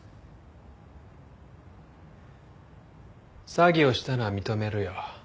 詐欺をしたのは認めるよ。